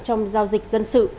trong giao dịch dân sự